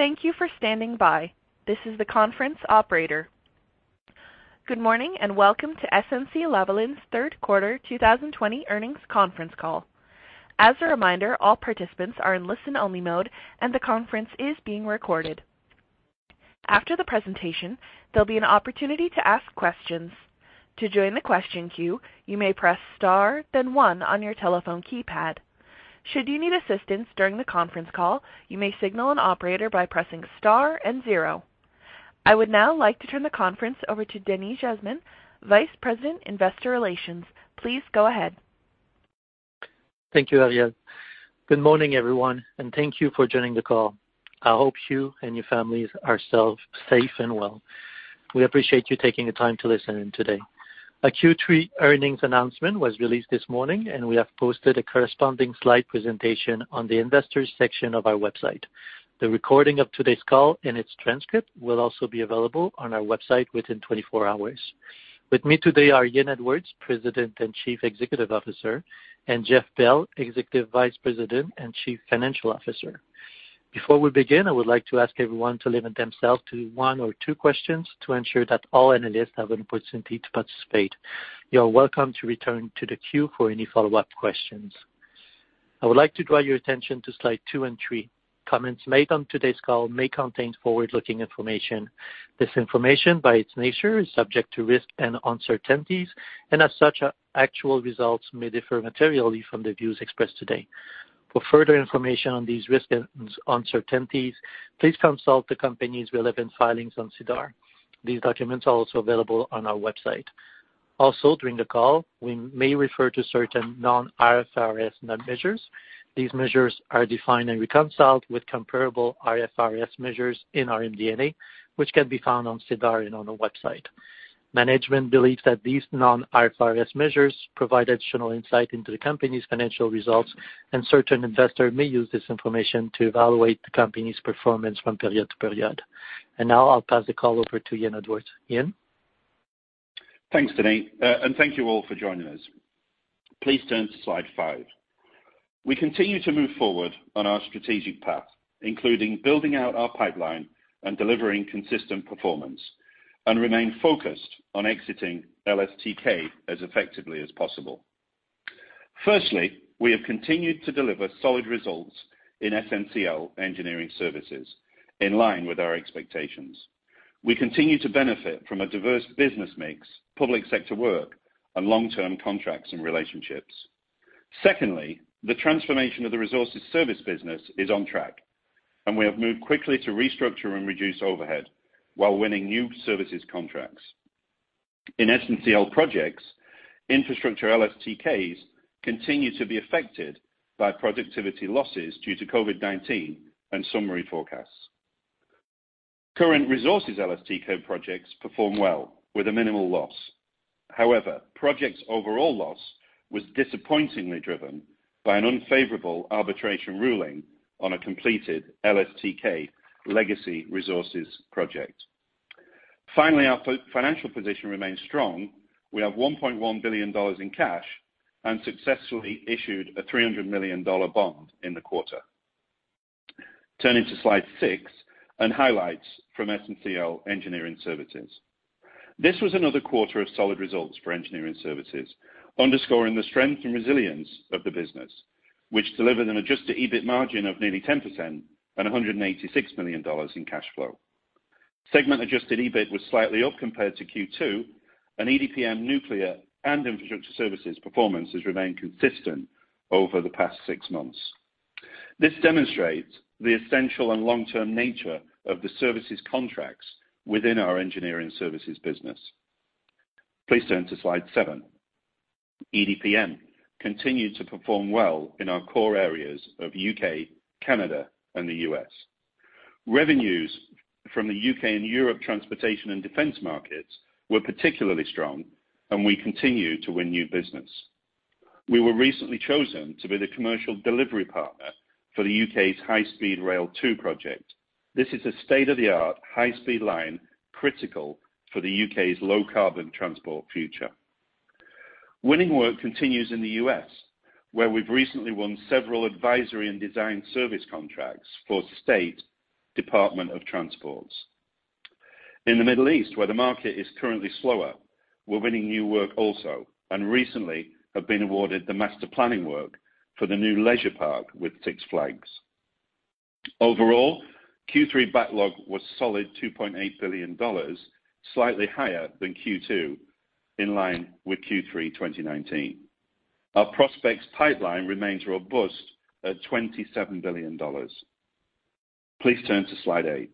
Thank you for standing by. This is the conference operator. Good morning, and welcome to SNC-Lavalin's third quarter 2020 earnings conference call. As a reminder, all participants are in listen-only mode, and the conference is being recorded. After the presentation, there'll be an opportunity to ask questions. To join the question queue, you may press star then one on your telephone keypad. Should you need assistance during the conference call, you may signal an operator by pressing star and zero. I would now like to turn the conference over to Denis Jasmin, Vice President, Investor Relations. Please go ahead. Thank you, Ariel. Good morning, everyone, and thank you for joining the call. I hope you and your families are safe and well. We appreciate you taking the time to listen in today. Our Q3 earnings announcement was released this morning, and we have posted a corresponding slide presentation on the investors section of our website. The recording of today's call and its transcript will also be available on our website within 24 hours. With me today are Ian Edwards, President and Chief Executive Officer, and Jeff Bell, Executive Vice President and Chief Financial Officer. Before we begin, I would like to ask everyone to limit themselves to one or two questions to ensure that all analysts have an opportunity to participate. You are welcome to return to the queue for any follow-up questions. I would like to draw your attention to slide two and three. Comments made on today's call may contain forward-looking information. This information, by its nature, is subject to risks and uncertainties, and as such, actual results may differ materially from the views expressed today. For further information on these risks and uncertainties, please consult the company's relevant filings on SEDAR. These documents are also available on our website. Also, during the call, we may refer to certain non-IFRS measures. These measures are defined and reconciled with comparable IFRS measures in our MD&A, which can be found on SEDAR and on our website. Management believes that these non-IFRS measures provide additional insight into the company's financial results, and certain investors may use this information to evaluate the company's performance from period to period. Now I'll pass the call over to Ian Edwards. Ian? Thanks, Denis, and thank you all for joining us. Please turn to slide five. We continue to move forward on our strategic path, including building out our pipeline and delivering consistent performance, and remain focused on exiting LSTK as effectively as possible. Firstly, we have continued to deliver solid results in SNCL Engineering Services, in line with our expectations. We continue to benefit from a diverse business mix, public sector work, and long-term contracts and relationships. Secondly, the transformation of the resources service business is on track, and we have moved quickly to restructure and reduce overhead while winning new services contracts. In SNCL Projects, infrastructure LSTKs continue to be affected by productivity losses due to COVID-19 and summary forecasts. Current resources LSTK projects perform well with a minimal loss. However, projects overall loss was disappointingly driven by an unfavorable arbitration ruling on a completed LSTK legacy resources project. Finally, our financial position remains strong. We have 1.1 billion dollars in cash and successfully issued a 300 million dollar bond in the quarter. Turning to slide six and highlights from SNCL Engineering Services. This was another quarter of solid results for engineering services, underscoring the strength and resilience of the business, which delivered an adjusted EBIT margin of nearly 10% and 186 million dollars in cash flow. Segment adjusted EBIT was slightly up compared to Q2. EDPM, nuclear, and infrastructure services performance has remained consistent over the past six months. This demonstrates the essential and long-term nature of the services contracts within our engineering services business. Please turn to slide seven. EDPM continued to perform well in our core areas of U.K., Canada, and the U.S. Revenues from the U.K. and Europe transportation and defense markets were particularly strong. We continue to win new business. We were recently chosen to be the commercial delivery partner for the U.K.'s High Speed 2 project. This is a state-of-the-art high-speed line critical for the U.K.'s low carbon transport future. Winning work continues in the U.S., where we've recently won several advisory and design service contracts for state department of transports. In the Middle East, where the market is currently slower, we're winning new work also, and recently have been awarded the master planning work for the new leisure park with Six Flags. Overall, Q3 backlog was solid 2.8 billion dollars, slightly higher than Q2, in line with Q3 2019. Our prospects pipeline remains robust at 27 billion dollars. Please turn to slide eight.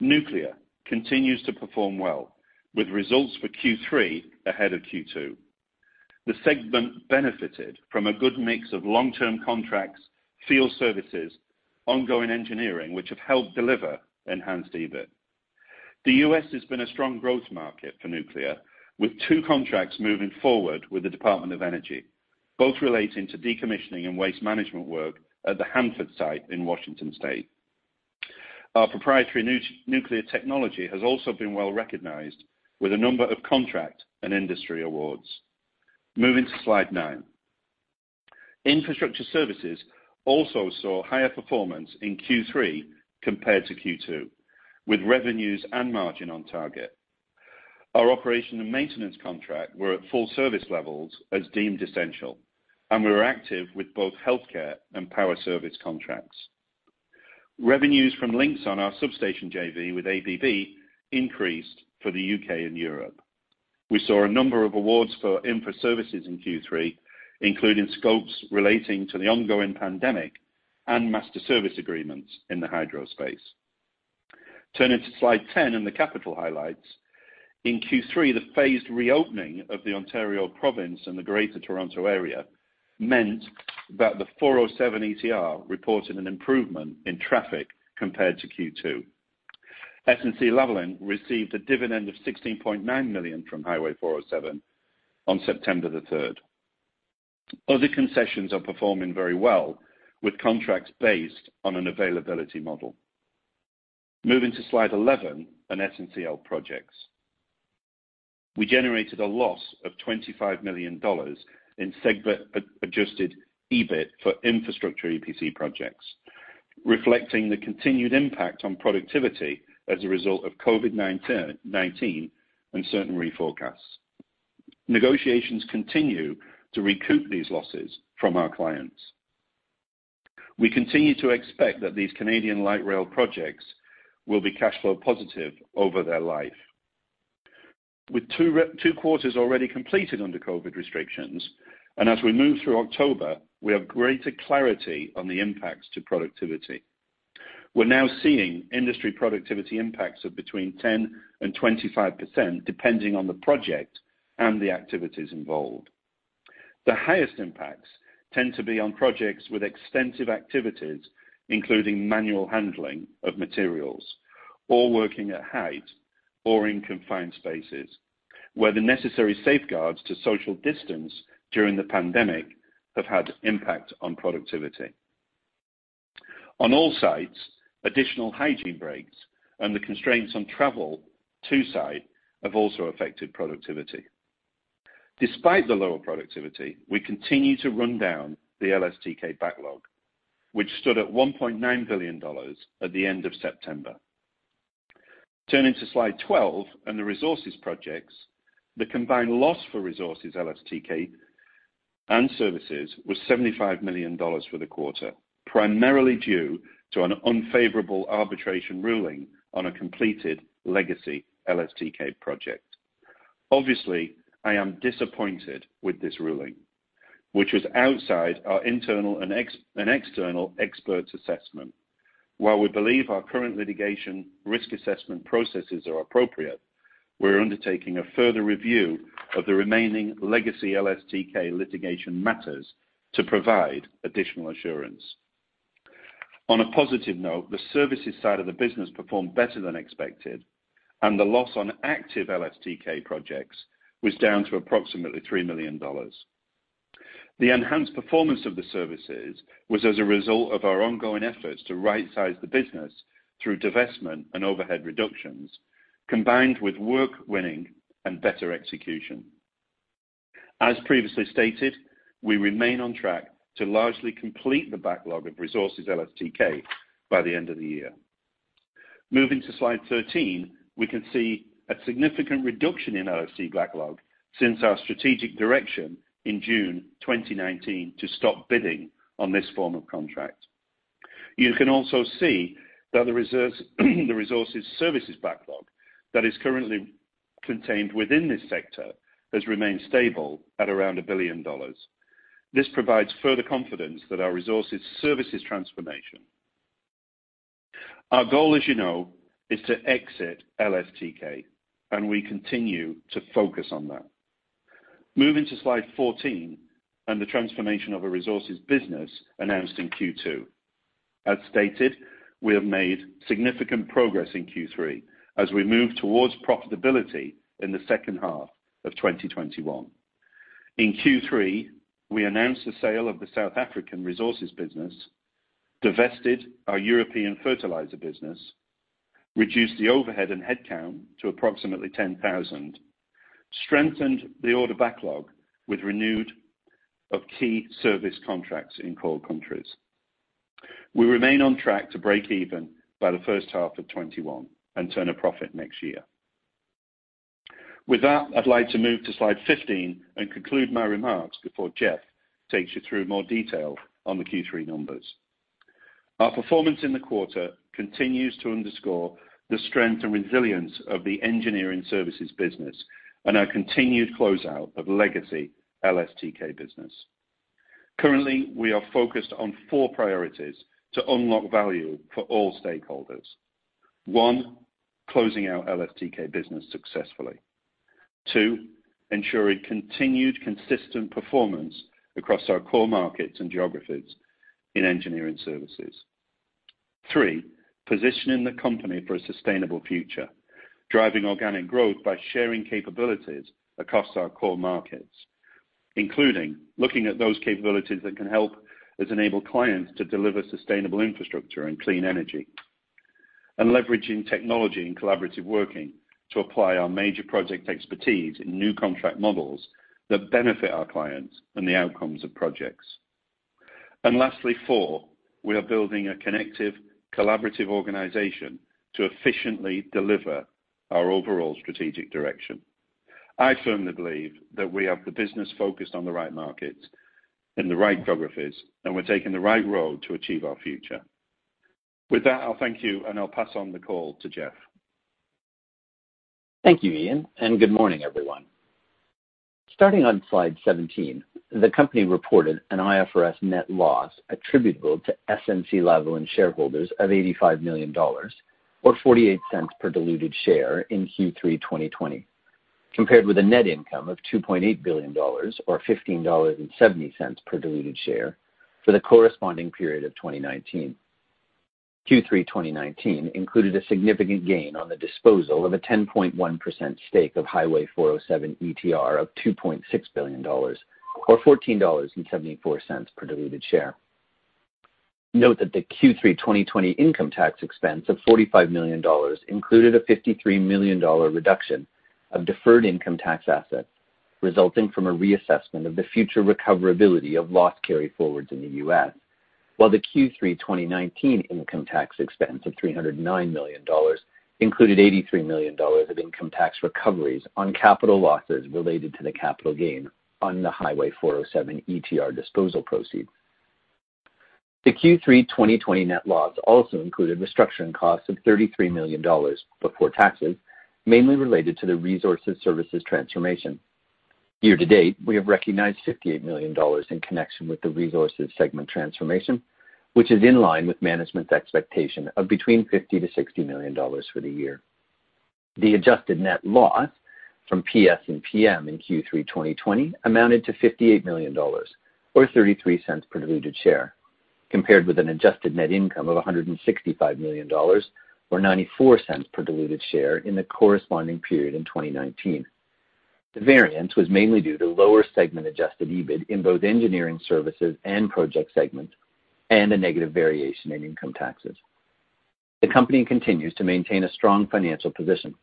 Nuclear continues to perform well, with results for Q3 ahead of Q2. The segment benefited from a good mix of long-term contracts, field services, ongoing engineering, which have helped deliver enhanced EBIT. The U.S. has been a strong growth market for nuclear, with two contracts moving forward with the Department of Energy, both relating to decommissioning and waste management work at the Hanford site in Washington State. Our proprietary nuclear technology has also been well-recognized with a number of contract and industry awards. Moving to slide nine. Infrastructure services also saw higher performance in Q3 compared to Q2, with revenues and margin on target. Our operation and maintenance contract were at full service levels as deemed essential, and we were active with both healthcare and power service contracts. Revenues from Linxon our substation JV with ABB increased for the U.K. and Europe. We saw a number of awards for infra services in Q3, including scopes relating to the ongoing pandemic and master service agreements in the hydro space. Turning to slide 10 and the capital highlights. In Q3, the phased reopening of the Ontario province and the Greater Toronto Area meant that the 407 ETR reported an improvement in traffic compared to Q2. SNC-Lavalin received a dividend of 16.9 million from Highway 407 on September the 3rd. Other concessions are performing very well, with contracts based on an availability model. Moving to slide 11 on SNCL Projects. We generated a loss of 25 million dollars in segment adjusted EBIT for infrastructure EPC projects, reflecting the continued impact on productivity as a result of COVID-19 and certain reforecasts. Negotiations continue to recoup these losses from our clients. We continue to expect that these Canadian light rail projects will be cash flow positive over their life. With two quarters already completed under COVID restrictions, and as we move through October, we have greater clarity on the impacts to productivity. We're now seeing industry productivity impacts of between 10% and 25%, depending on the project and the activities involved. The highest impacts tend to be on projects with extensive activities, including manual handling of materials or working at height or in confined spaces, where the necessary safeguards to social distance during the pandemic have had impact on productivity. On all sites, additional hygiene breaks and the constraints on travel to site have also affected productivity. Despite the lower productivity, we continue to run down the LSTK backlog, which stood at 1.9 billion dollars at the end of September. Turning to slide 12 and the resources projects, the combined loss for resources LSTK and services was 75 million dollars for the quarter, primarily due to an unfavorable arbitration ruling on a completed legacy LSTK project. Obviously, I am disappointed with this ruling, which was outside our internal and external experts' assessment. While we believe our current litigation risk assessment processes are appropriate, we are undertaking a further review of the remaining legacy LSTK litigation matters to provide additional assurance. On a positive note, the services side of the business performed better than expected, and the loss on active LSTK projects was down to approximately 3 million dollars. The enhanced performance of the services was as a result of our ongoing efforts to right-size the business through divestment and overhead reductions, combined with work winning and better execution. As previously stated, we remain on track to largely complete the backlog of resources LSTK by the end of the year. Moving to slide 13, we can see a significant reduction in LSTK backlog since our strategic direction in June 2019 to stop bidding on this form of contract. You can also see that the resources services backlog that is currently contained within this sector has remained stable at around 1 billion dollars. This provides further confidence that our resources services transformation. Our goal, as you know, is to exit LSTK, and we continue to focus on that. Moving to slide 14 and the transformation of our resources business announced in Q2. As stated, we have made significant progress in Q3 as we move towards profitability in the second half of 2021. In Q3, we announced the sale of the South African resources business, divested our European fertilizer business, reduced the overhead and headcount to approximately 10,000, strengthened the order backlog with renewed of key service contracts in core countries. We remain on track to break even by the first half of 2021 and turn a profit next year. With that, I'd like to move to slide 15 and conclude my remarks before Jeff takes you through more detail on the Q3 numbers. Our performance in the quarter continues to underscore the strength and resilience of the engineering services business and our continued closeout of legacy LSTK business. Currently, we are focused on four priorities to unlock value for all stakeholders. One, closing our LSTK business successfully. Two, ensuring continued consistent performance across our core markets and geographies in engineering services. Three, positioning the company for a sustainable future, driving organic growth by sharing capabilities across our core markets, including looking at those capabilities that can help us enable clients to deliver sustainable infrastructure and clean energy, and leveraging technology and collaborative working to apply our major project expertise in new contract models that benefit our clients and the outcomes of projects. Lastly, four, we are building a connective, collaborative organization to efficiently deliver our overall strategic direction. I firmly believe that we have the business focused on the right markets, in the right geographies, and we're taking the right road to achieve our future. With that, I'll thank you, and I'll pass on the call to Jeff. Thank you, Ian, and good morning, everyone. Starting on slide 17, the company reported an IFRS net loss attributable to SNC-Lavalin shareholders of 85 million dollars, or 0.48 per diluted share in Q3 2020, compared with a net income of 2.8 billion dollars or 15.70 dollars per diluted share for the corresponding period of 2019. Q3 2019 included a significant gain on the disposal of a 10.1% stake of Highway 407 ETR of 2.6 billion dollars, or 14.74 dollars per diluted share. Note that the Q3 2020 income tax expense of 45 million dollars included a 53 million dollar reduction of deferred income tax assets, resulting from a reassessment of the future recoverability of loss carryforwards in the U.S. While the Q3 2019 income tax expense of 309 million dollars included 83 million dollars of income tax recoveries on capital losses related to the capital gain on the Highway 407 ETR disposal proceed. The Q3 2020 net loss also included restructuring costs of 33 million dollars before taxes, mainly related to the resources services transformation. Year to date, we have recognized 58 million dollars in connection with the resources segment transformation, which is in line with management's expectation of between 50 million-60 million dollars for the year. The adjusted net loss from PS&PM in Q3 2020 amounted to 58 million dollars, or 0.33 per diluted share, compared with an adjusted net income of 165 million dollars or 0.94 per diluted share in the corresponding period in 2019. The variance was mainly due to lower segment adjusted EBIT in both engineering services and project segments, and a negative variation in income taxes. The company continues to maintain a strong financial position.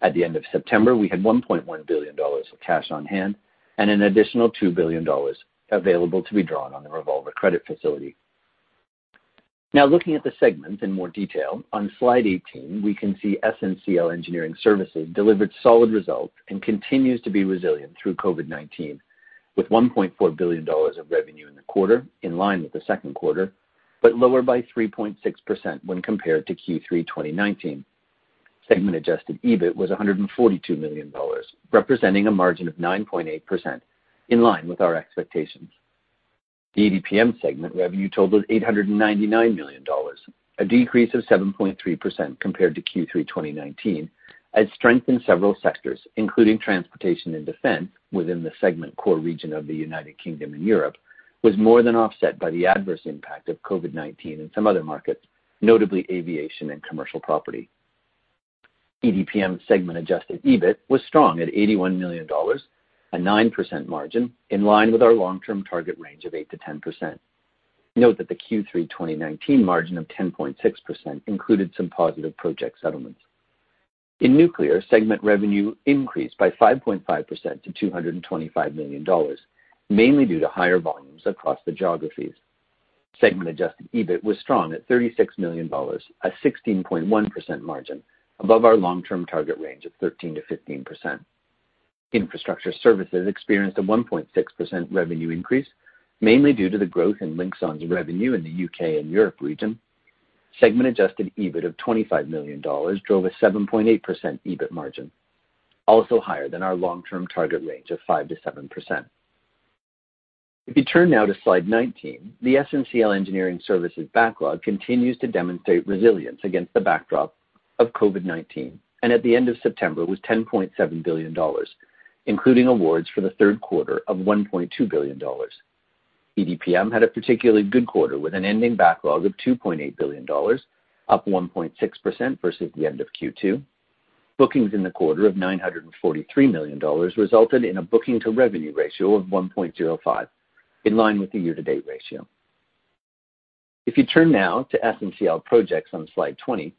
At the end of September, we had 1.1 billion dollars of cash on hand and an additional 2 billion dollars available to be drawn on the revolver credit facility. Looking at the segments in more detail, on slide 18, we can see SNCL Engineering Services delivered solid results and continues to be resilient through COVID-19 with 1.4 billion dollars of revenue in the quarter, in line with the second quarter, but lower by 3.6% when compared to Q3 2019. Segment adjusted EBIT was 142 million dollars, representing a margin of 9.8%, in line with our expectations. The EDPM segment revenue total 899 million dollars, a decrease of 7.3% compared to Q3 2019, as strength in several sectors, including transportation and defense within the segment core region of the United Kingdom and Europe, was more than offset by the adverse impact of COVID-19 in some other markets, notably aviation and commercial property. EDPM segment adjusted EBIT was strong at 81 million dollars, a 9% margin, in line with our long-term target range of 8%-10%. Note that the Q3 2019 margin of 10.6% included some positive project settlements. In nuclear, segment revenue increased by 5.5% to 225 million dollars, mainly due to higher volumes across the geographies. Segment adjusted EBIT was strong at 36 million dollars, a 16.1% margin above our long-term target range of 13%-15%. Infrastructure Services experienced a 1.6% revenue increase, mainly due to the growth in Linxon's revenue in the U.K. and Europe region. Segment adjusted EBIT of 25 million dollars drove a 7.8% EBIT margin, also higher than our long-term target range of 5%-7%. If you turn now to slide 19, the SNCL Engineering Services backlog continues to demonstrate resilience against the backdrop of COVID-19, and at the end of September was 10.7 billion dollars, including awards for the third quarter of 1.2 billion dollars. EDPM had a particularly good quarter with an ending backlog of 2.8 billion dollars, up 1.6% versus the end of Q2. Bookings in the quarter of 943 million dollars resulted in a booking-to-revenue ratio of 1.05, in line with the year-to-date ratio. If you turn now to SNCL Projects on slide 20,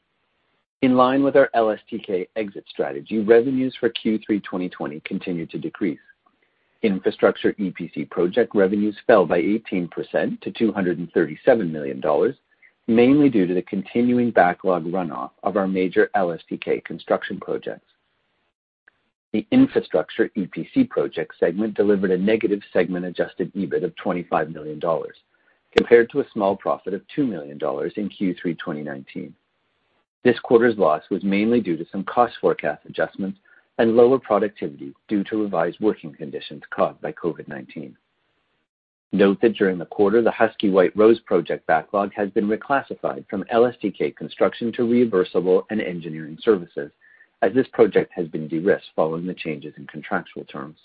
in line with our LSTK exit strategy, revenues for Q3 2020 continued to decrease. Infrastructure EPC project revenues fell by 18% to 237 million dollars, mainly due to the continuing backlog runoff of our major LSTK construction projects. The infrastructure EPC project segment delivered a negative segment adjusted EBIT of 25 million dollars, compared to a small profit of 2 million dollars in Q3 2019. This quarter's loss was mainly due to some cost forecast adjustments and lower productivity due to revised working conditions caused by COVID-19. Note that during the quarter, the Husky White Rose Project backlog has been reclassified from LSTK construction to reimbursable and engineering services, as this project has been de-risked following the changes in contractual terms.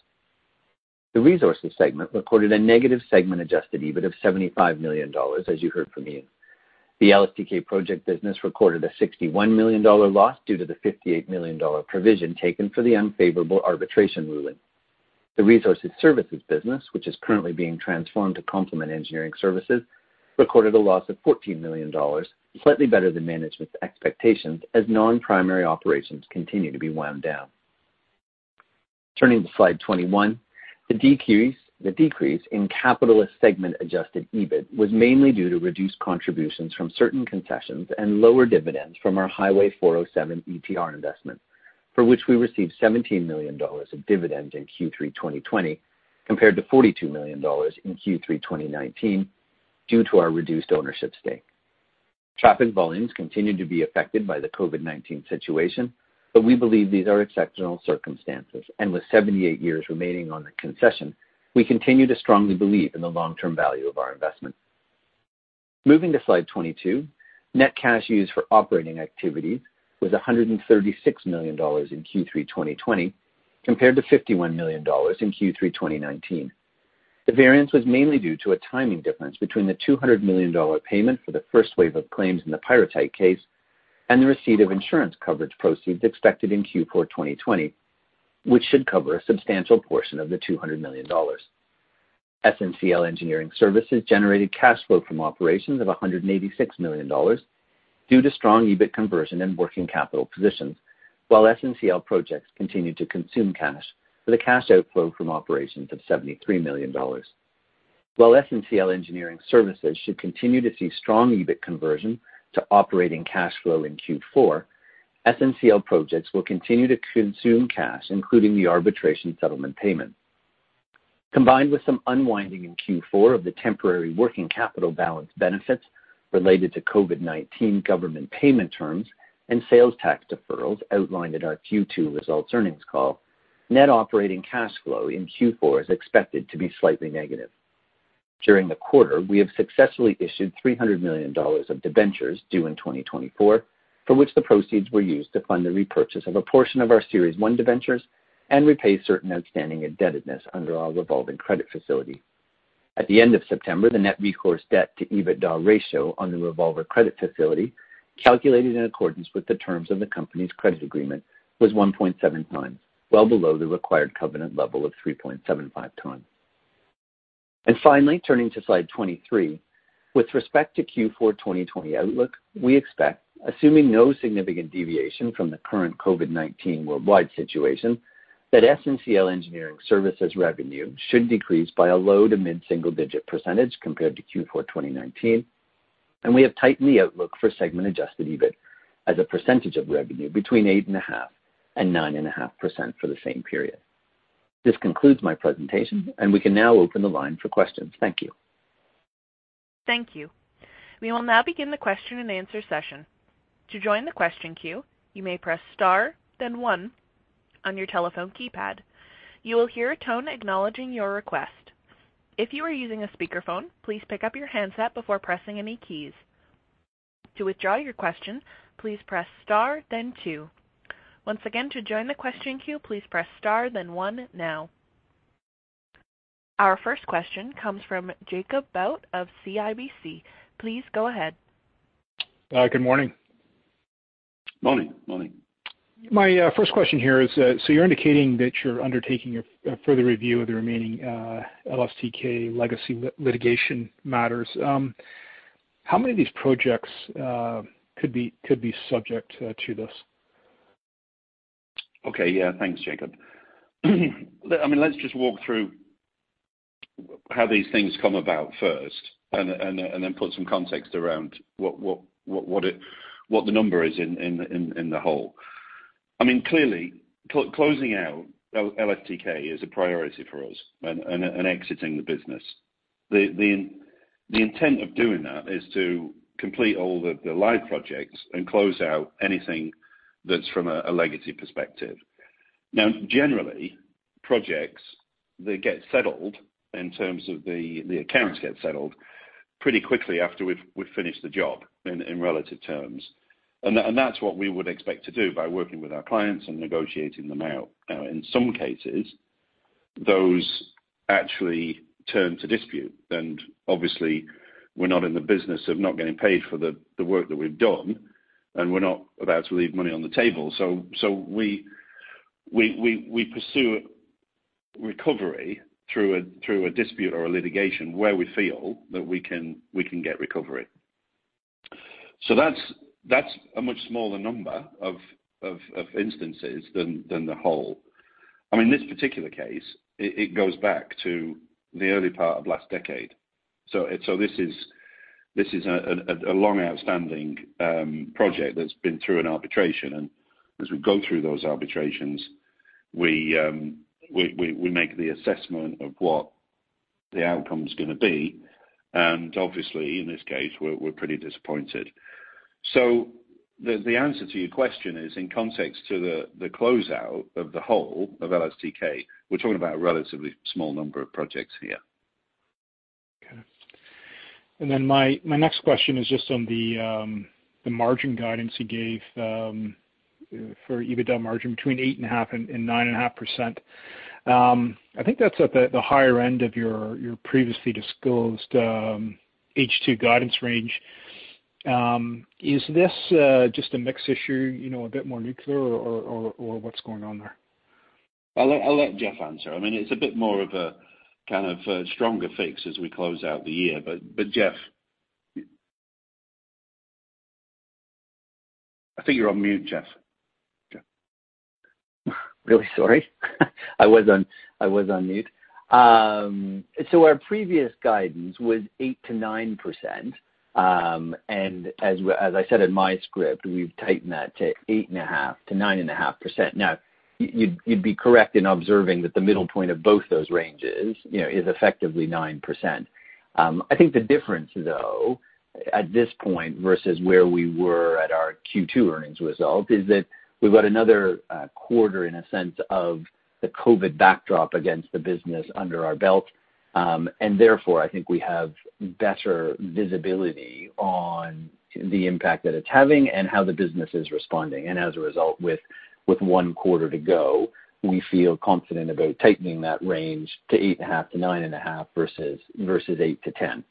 The resources segment reported a negative segment adjusted EBIT of 75 million dollars, as you heard from Ian. The LSTK project business recorded a 61 million dollar loss due to the 58 million dollar provision taken for the unfavorable arbitration ruling. The Resources Services business, which is currently being transformed to complement engineering services, recorded a loss of 14 million dollars, slightly better than management's expectations as non-primary operations continue to be wound down. Turning to Slide 21, the decrease in Capital segment adjusted EBIT was mainly due to reduced contributions from certain concessions and lower dividends from our Highway 407 ETR investment, for which we received CAD 17 million in dividends in Q3 2020 compared to CAD 42 million in Q3 2019 due to our reduced ownership stake. Traffic volumes continue to be affected by the COVID-19 situation, We believe these are exceptional circumstances, and with 78 years remaining on the concession, we continue to strongly believe in the long-term value of our investment. Moving to Slide 22, net cash used for operating activities was 136 million dollars in Q3 2020 compared to 51 million dollars in Q3 2019. The variance was mainly due to a timing difference between the 200 million dollar payment for the first wave of claims in the Pyrrhotite case and the receipt of insurance coverage proceeds expected in Q4 2020, which should cover a substantial portion of the 200 million dollars. SNCL Engineering Services generated cash flow from operations of 186 million dollars due to strong EBIT conversion and working capital positions. SNCL Projects continued to consume cash with a cash outflow from operations of 73 million dollars. SNCL Engineering Services should continue to see strong EBIT conversion to operating cash flow in Q4, SNCL Projects will continue to consume cash, including the arbitration settlement payment. Combined with some unwinding in Q4 of the temporary working capital balance benefits related to COVID-19 government payment terms and sales tax deferrals outlined at our Q2 results earnings call, net operating cash flow in Q4 is expected to be slightly negative. During the quarter, we have successfully issued 300 million dollars of debentures due in 2024, for which the proceeds were used to fund the repurchase of a portion of our Series 1 Debentures and repay certain outstanding indebtedness under our revolving credit facility. At the end of September, the net recourse debt to EBITDA ratio on the revolver credit facility, calculated in accordance with the terms of the company's credit agreement, was 1.7 times, well below the required covenant level of 3.75 times. Finally, turning to Slide 23, with respect to Q4 2020 outlook, we expect, assuming no significant deviation from the current COVID-19 worldwide situation, that SNCL Engineering Services revenue should decrease by a low to mid-single digit percentage compared to Q4 2019. We have tightened the outlook for segment adjusted EBIT as a percentage of revenue between 8.5% and 9.5% for the same period. This concludes my presentation, and we can now open the line for questions. Thank you. Our first question comes from Jacob Bout of CIBC. Please go ahead. Good morning. Morning. My first question here is, you're indicating that you're undertaking a further review of the remaining LSTK legacy litigation matters. How many of these projects could be subject to this? Okay. Yeah. Thanks, Jacob. I mean, let's just walk through how these things come about first and then put some context around what the number is in the whole. Clearly, closing out LSTK is a priority for us and exiting the business. The intent of doing that is to complete all the live projects and close out anything that's from a legacy perspective. Generally, projects, they get settled in terms of the accounts get settled pretty quickly after we've finished the job in relative terms. That's what we would expect to do by working with our clients and negotiating them out. In some cases, those actually turn to dispute, and obviously, we're not in the business of not getting paid for the work that we've done, and we're not about to leave money on the table. We pursue recovery through a dispute or a litigation where we feel that we can get recovery. That's a much smaller number of instances than the whole. In this particular case, it goes back to the early part of last decade. This is a long outstanding project that's been through an arbitration, and as we go through those arbitrations, we make the assessment of what the outcome is going to be. Obviously, in this case, we're pretty disappointed. The answer to your question is in context to the closeout of the whole of LSTK. We're talking about a relatively small number of projects here. Okay. My next question is just on the margin guidance you gave for EBITDA margin between 8.5% and 9.5%. I think that's at the higher end of your previously disclosed H2 guidance range. Is this just a mix issue, a bit more nuclear, or what's going on there? I'll let Jeff answer. It's a bit more of a kind of stronger fix as we close out the year. Jeff? I think you're on mute, Jeff. Jeff. Really sorry. I was on mute. Our previous guidance was 8%-9%, and as I said in my script, we've tightened that to 8.5%-9.5%. You'd be correct in observing that the middle point of both those ranges is effectively 9%. I think the difference, though, at this point versus where we were at our Q2 earnings result is that we've got another quarter in a sense of the COVID backdrop against the business under our belt. I think we have better visibility on the impact that it's having and how the business is responding. With one quarter to go, we feel confident about tightening that range to 8.5%-9.5% versus 8%-10%.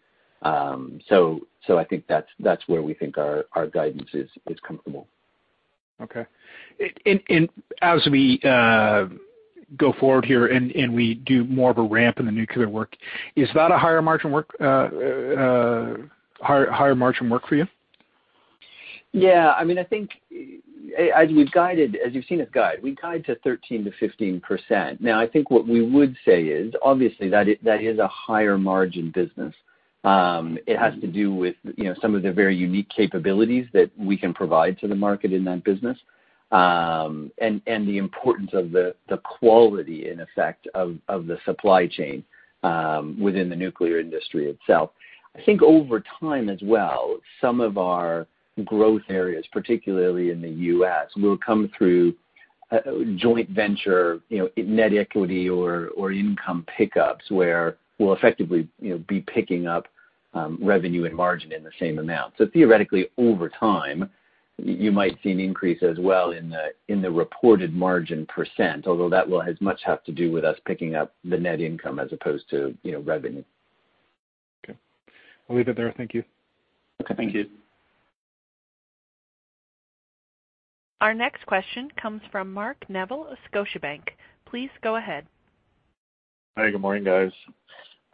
I think that's where we think our guidance is comfortable. Okay. As we go forward here, and we do more of a ramp in the nuclear work, is that a higher margin work for you? Yeah. As you've seen us guide, we guide to 13%-15%. I think what we would say is, obviously, that is a higher margin business. It has to do with some of the very unique capabilities that we can provide to the market in that business, and the importance of the quality and effect of the supply chain within the nuclear industry itself. I think over time as well, some of our growth areas, particularly in the U.S., will come through a joint venture, net equity or income pickups, where we'll effectively be picking up revenue and margin in the same amount. Theoretically, over time, you might see an increase as well in the reported margin %, although that will as much have to do with us picking up the net income as opposed to revenue. Okay. I'll leave it there. Thank you. Okay. Thank you. Our next question comes from Mark Neville of Scotiabank. Please go ahead. Hi. Good morning, guys.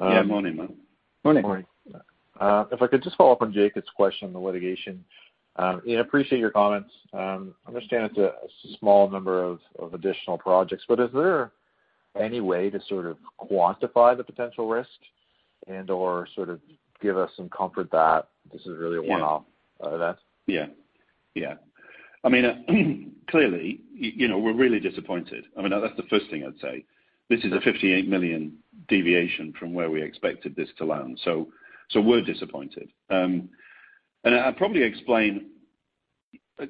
Yeah, morning, Mark. Morning, Mark. If I could just follow up on Jacob's question on the litigation. Ian, appreciate your comments. I understand it's a small number of additional projects, but is there any way to sort of quantify the potential risk, and/or sort of give us some comfort that this is really a one-off event? Yeah. Clearly, we're really disappointed. That's the first thing I'd say. This is a 58 million deviation from where we expected this to land. We're disappointed. I'd probably explain,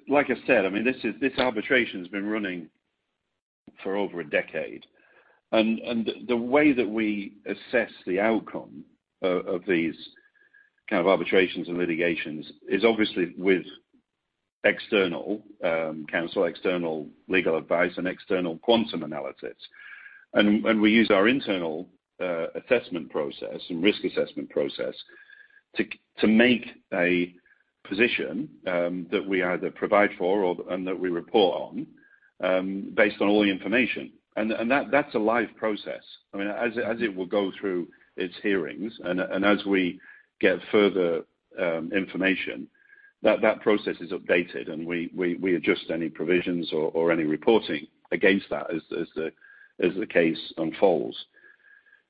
like I said, this arbitration has been running for over a decade. The way that we assess the outcome of these kind of arbitrations and litigations is obviously with external counsel, external legal advice, and external quantum analysis. We use our internal assessment process and risk assessment process to make a position that we either provide for or, and that we report on based on all the information. That's a live process. As it will go through its hearings and as we get further information, that process is updated, and we adjust any provisions or any reporting against that as the case unfolds.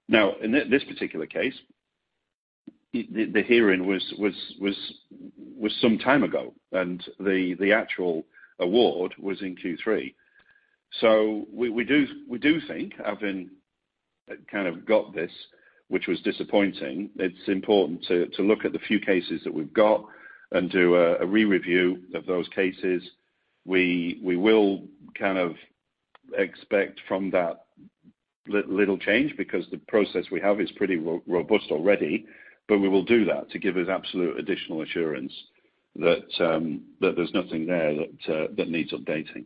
In this particular case, the hearing was some time ago, and the actual award was in Q3. We do think, having kind of got this, which was disappointing, it's important to look at the few cases that we've got and do a re-review of those cases. We will kind of expect from that little change because the process we have is pretty robust already, but we will do that to give us absolute additional assurance that there's nothing there that needs updating.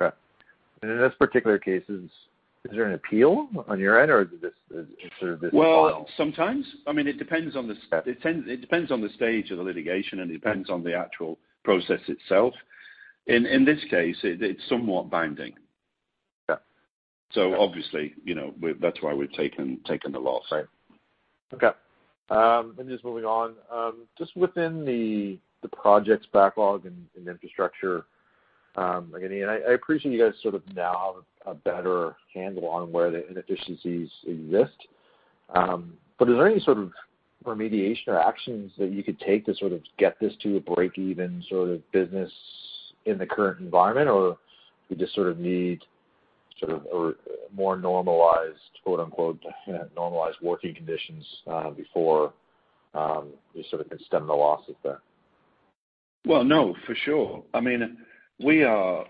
Okay. In this particular case, is there an appeal on your end, or is it sort of this file? Well, sometimes. It depends on the stage of the litigation, and it depends on the actual process itself. In this case, it's somewhat binding. Okay. Obviously, that's why we've taken the loss. Right. Okay. Just moving on, just within the projects backlog and infrastructure, again, Ian, I appreciate you guys sort of now have a better handle on where the inefficiencies exist. Is there any sort of remediation or actions that you could take to sort of get this to a break-even sort of business in the current environment? We just sort of need a more normalized, quote unquote, "normalized working conditions" before we sort of can stem the losses there? Well, no, for sure. We are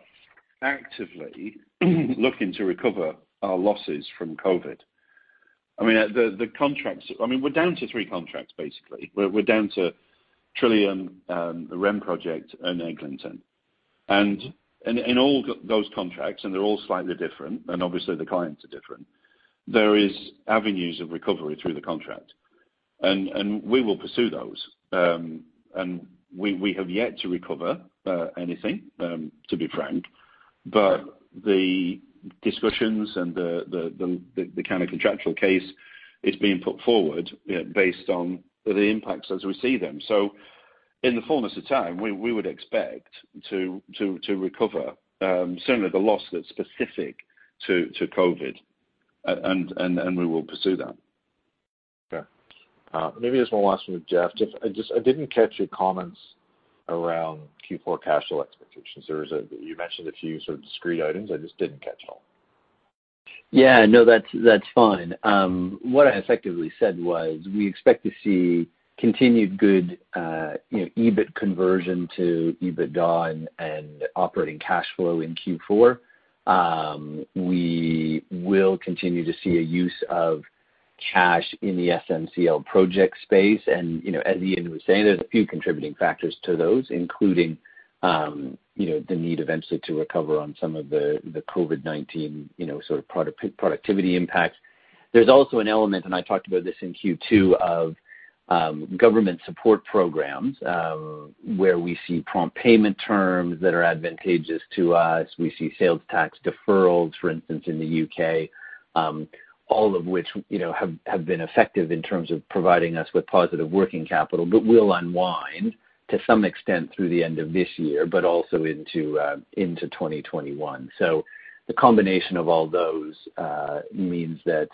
actively looking to recover our losses from COVID. We're down to three contracts, basically. We're down to Trillium, the REM project, and Eglinton. In all those contracts, and they're all slightly different, and obviously the clients are different, there is avenues of recovery through the contract. We will pursue those. We have yet to recover anything, to be frank. The discussions and the kind of contractual case is being put forward based on the impacts as we see them. In the fullness of time, we would expect to recover certainly the loss that's specific to COVID, and we will pursue that. Okay. Maybe just one last one with Jeff. I didn't catch your comments around Q4 cash flow expectations. You mentioned a few sort of discrete items. I just didn't catch it all. Yeah, no, that's fine. What I effectively said was we expect to see continued good EBIT conversion to EBITDA and operating cash flow in Q4. We will continue to see a use of cash in the SNCL Projects space. As Ian was saying, there's a few contributing factors to those, including the need eventually to recover on some of the COVID-19 sort of productivity impacts. There's also an element, and I talked about this in Q2, of government support programs, where we see prompt payment terms that are advantageous to us. We see sales tax deferrals, for instance, in the U.K., all of which have been effective in terms of providing us with positive working capital but will unwind to some extent through the end of this year, but also into 2021. The combination of all those means that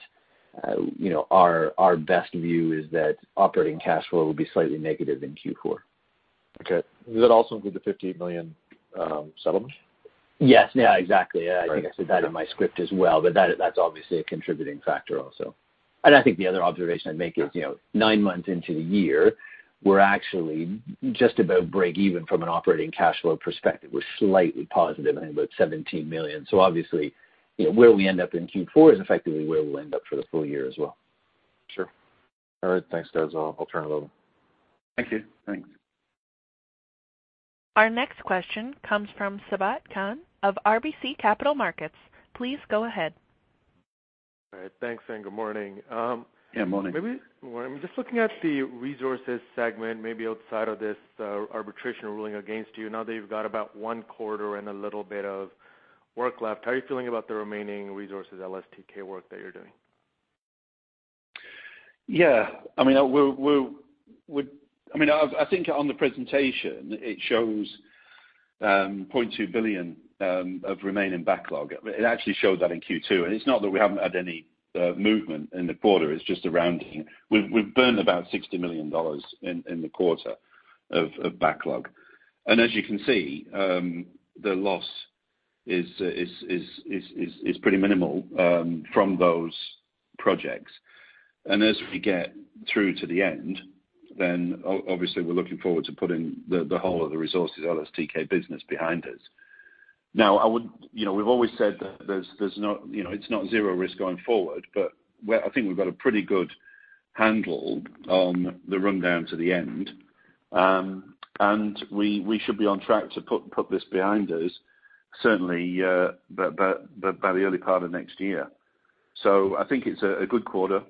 our best view is that operating cash flow will be slightly negative in Q4. Okay. Does that also include the 58 million settlement? Yes. Yeah, exactly. Right. Yeah. I think I said that in my script as well, but that's obviously a contributing factor also. I think the other observation I'd make is nine months into the year, we're actually just about break even from an operating cash flow perspective. We're slightly positive, only about 17 million. Obviously, where we end up in Q4 is effectively where we'll end up for the full year as well. Sure. All right, thanks guys. I'll turn it over. Thank you. Thanks. Our next question comes from Sabahat Khan of RBC Capital Markets. Please go ahead. All right, thanks, and good morning. Yeah, morning. Just looking at the resources segment, maybe outside of this arbitration ruling against you, now that you've got about one quarter and a little bit of work left, how are you feeling about the remaining resources LSTK work that you're doing? I think on the presentation, it shows 0.2 billion of remaining backlog. It actually showed that in Q2, it's not that we haven't had any movement in the quarter, it's just a rounding. We've burned about 60 million dollars in the quarter of backlog. As you can see, the loss is pretty minimal from those projects. As we get through to the end, obviously we're looking forward to putting the whole of the resources LSTK business behind us. We've always said that it's not zero risk going forward, but I think we've got a pretty good handle on the rundown to the end. We should be on track to put this behind us certainly by the early part of next year. I think it's a good quarter,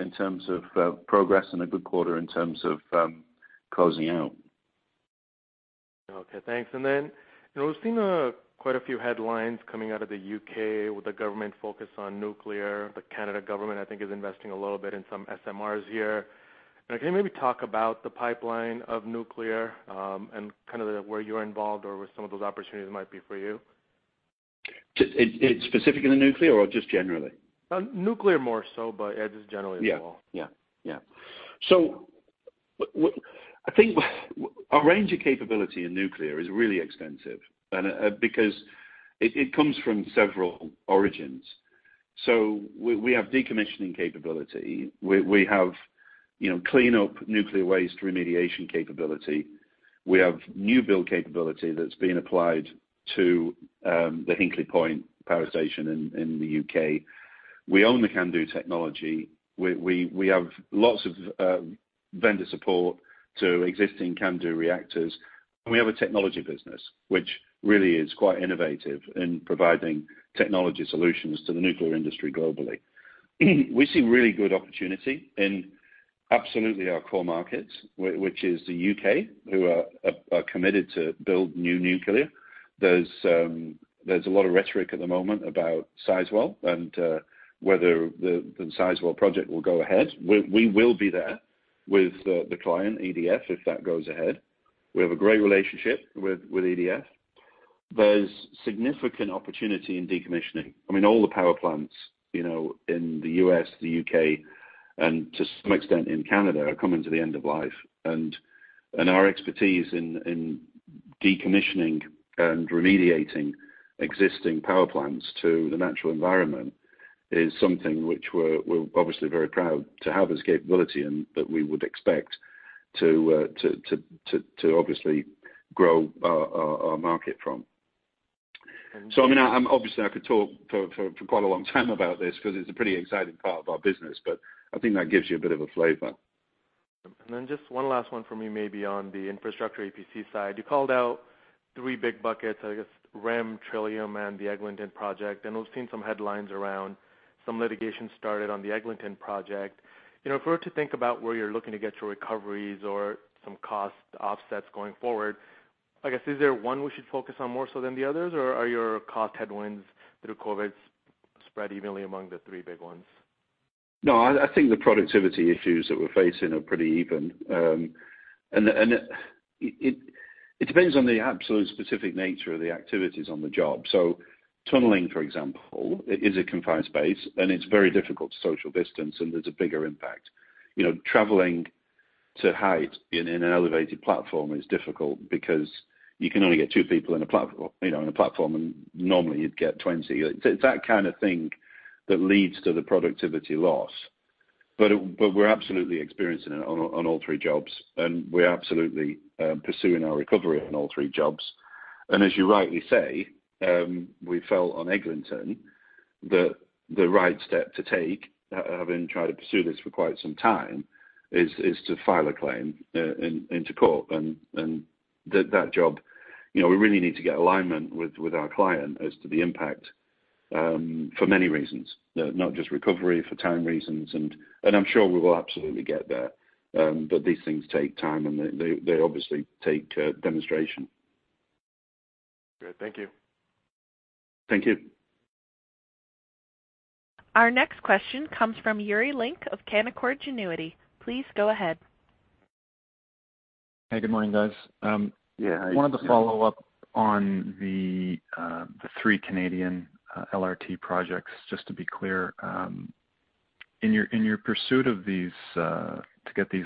in terms of progress and a good quarter in terms of closing out. Okay, thanks. We're seeing quite a few headlines coming out of the U.K. with the Government focused on nuclear. The Canadian government, I think, is investing a little bit in some SMRs here. Can you maybe talk about the pipeline of nuclear, and kind of where you're involved or where some of those opportunities might be for you? Just specific in the nuclear or just generally? Nuclear more so, but just generally as well. Yeah. I think our range of capability in nuclear is really extensive, because it comes from several origins. We have decommissioning capability. We have clean up nuclear waste remediation capability. We have new build capability that's being applied to the Hinkley Point power station in the U.K. We own the CANDU technology. We have lots of vendor support to existing CANDU reactors, and we have a technology business, which really is quite innovative in providing technology solutions to the nuclear industry globally. We see really good opportunity in absolutely our core markets, which is the U.K., who are committed to build new nuclear. There's a lot of rhetoric at the moment about Sizewell and whether the Sizewell project will go ahead. We will be there with the client, EDF, if that goes ahead. We have a great relationship with EDF. There's significant opportunity in decommissioning. All the power plants in the U.S., the U.K., and to some extent in Canada, are coming to the end of life. Our expertise in decommissioning and remediating existing power plants to the natural environment is something which we're obviously very proud to have as capability and that we would expect to obviously grow our market from. I mean, obviously I could talk for quite a long time about this because it's a pretty exciting part of our business, but I think that gives you a bit of a flavor. Just one last one for me, maybe on the infrastructure EPC side. You called out three big buckets, I guess, REM, Trillium, and the Eglinton project. We've seen some headlines around some litigation started on the Eglinton project. If we were to think about where you're looking to get your recoveries or some cost offsets going forward, I guess, is there one we should focus on more so than the others, or are your cost headwinds through COVID spread evenly among the three big ones? No, I think the productivity issues that we're facing are pretty even. It depends on the absolute specific nature of the activities on the job. Tunneling, for example, is a confined space, and it's very difficult to social distance, and there's a bigger impact. Traveling to height in an elevated platform is difficult because you can only get two people in a platform, and normally you'd get 20. It's that kind of thing that leads to the productivity loss. We're absolutely experiencing it on all three jobs, and we're absolutely pursuing our recovery on all three jobs. As you rightly say, we felt on Eglinton that the right step to take, having tried to pursue this for quite some time, is to file a claim into court. That job, we really need to get alignment with our client as to the impact for many reasons, not just recovery, for time reasons, and I'm sure we will absolutely get there. These things take time, and they obviously take demonstration. Good. Thank you. Thank you. Our next question comes from Yuri Lynk of Canaccord Genuity. Please go ahead. Hey, good morning, guys. Yeah, how are you? Wanted to follow up on the three Canadian LRT projects, just to be clear. In your pursuit to get these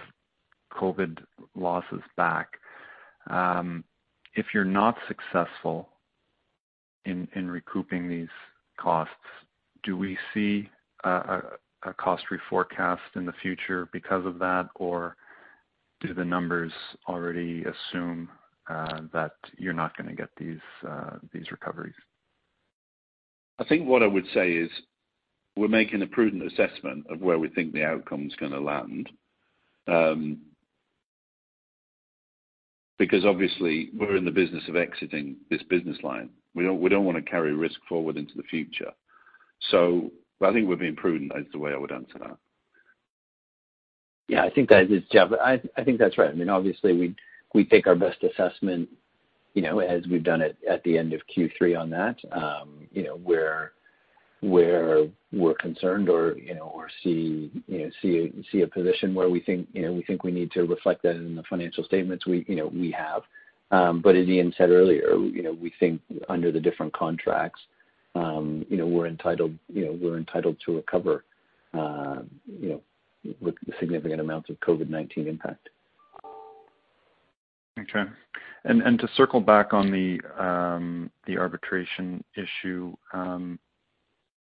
COVID losses back, if you are not successful in recouping these costs, do we see a cost reforecast in the future because of that, or do the numbers already assume that you are not going to get these recoveries? I think what I would say is we're making a prudent assessment of where we think the outcome is going to land, because obviously we're in the business of exiting this business line. We don't want to carry risk forward into the future. I think we're being prudent is the way I would answer that. Yeah, I think that is, Jeff. I think that's right. I mean, obviously we take our best assessment, as we've done it at the end of Q3 on that, where we're concerned or see a position where we think we need to reflect that in the financial statements, we have. As Ian said earlier, we think under the different contracts, we're entitled to recover with significant amounts of COVID-19 impact. Okay. To circle back on the arbitration issue,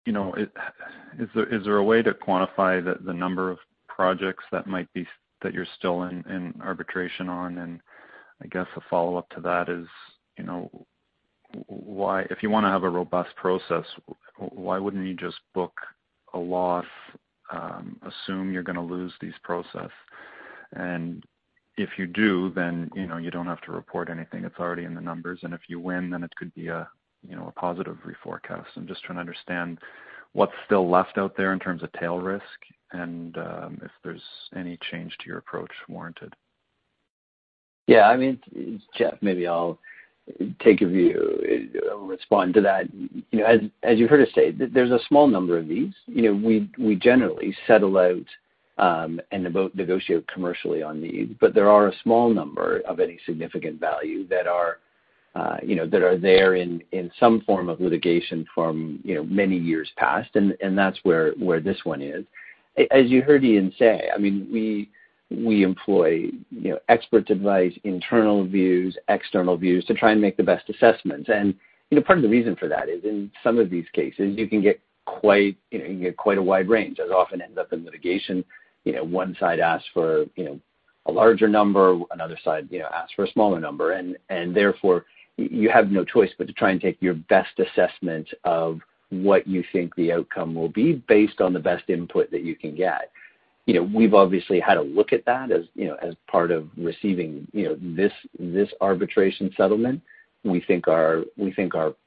is there a way to quantify the number of projects that you're still in arbitration on? I guess the follow-up to that is, if you want to have a robust process, why wouldn't you just book a loss, assume you're going to lose these process? If you do, then you don't have to report anything. It's already in the numbers. If you win, then it could be a positive reforecast. I'm just trying to understand what's still left out there in terms of tail risk and if there's any change to your approach warranted. I mean, Jeff, maybe I'll take a view, respond to that. As you heard us say, there's a small number of these. We generally settle out and negotiate commercially on these, but there are a small number of any significant value that are there in some form of litigation from many years past, and that's where this one is. As you heard Ian say, we employ expert advice, internal views, external views to try and make the best assessments. Part of the reason for that is in some of these cases, you can get quite a wide range, as often ends up in litigation. One side asks for a larger number, another side asks for a smaller number. Therefore, you have no choice but to try and take your best assessment of what you think the outcome will be based on the best input that you can get. We've obviously had a look at that as part of receiving this arbitration settlement. We think our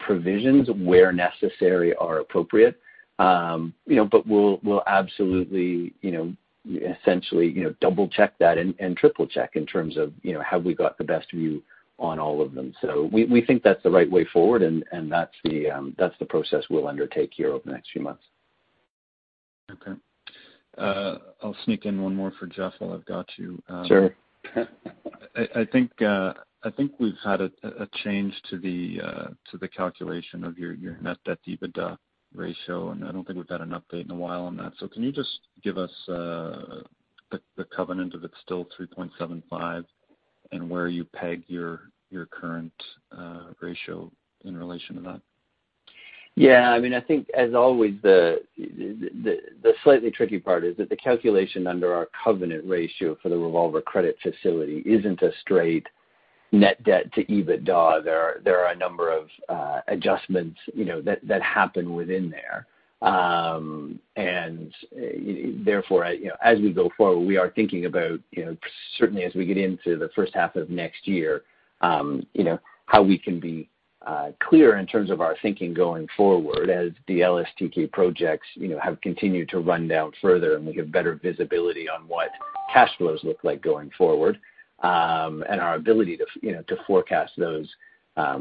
provisions, where necessary, are appropriate. We'll absolutely, essentially double check that and triple check in terms of have we got the best view on all of them. We think that's the right way forward, and that's the process we'll undertake here over the next few months. Okay. I'll sneak in one more for Jeff while I've got you. Sure. I think we've had a change to the calculation of your net debt EBITDA ratio, and I don't think we've had an update in a while on that. Can you just give us the covenant, if it's still 3.75? Where you peg your current ratio in relation to that? Yeah. I think as always, the slightly tricky part is that the calculation under our covenant ratio for the revolver credit facility isn't a straight net debt to EBITDA. There are a number of adjustments that happen within there. Therefore, as we go forward, we are thinking about certainly as we get into the first half of next year, how we can be clear in terms of our thinking going forward as the LSTK projects have continued to run down further, and we have better visibility on what cash flows look like going forward. Our ability to forecast those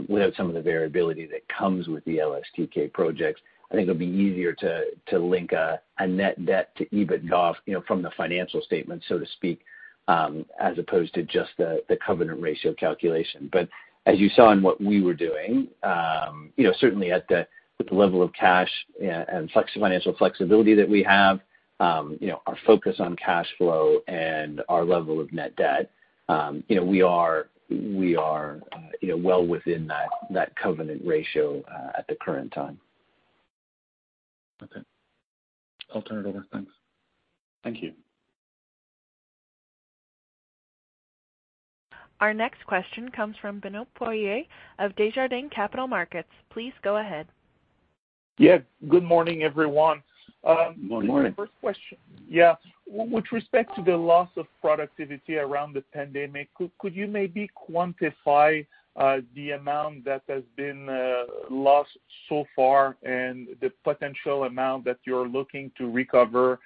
without some of the variability that comes with the LSTK projects. I think it'll be easier to link a net debt to EBITDA from the financial statements, so to speak, as opposed to just the covenant ratio calculation. As you saw in what we were doing, certainly with the level of cash and financial flexibility that we have, our focus on cash flow and our level of net debt, we are well within that covenant ratio at the current time. Okay. I'll turn it over. Thanks. Thank you. Our next question comes from Benoit Poirier of Desjardins Capital Markets. Please go ahead. Yeah. Good morning, everyone. Good morning. First question. Yeah. With respect to the loss of productivity around the pandemic, could you maybe quantify the amount that has been lost so far and the potential amount that you're looking to recover